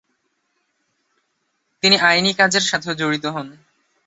তিনি আইনি কাজের সাথেও জড়িত হন।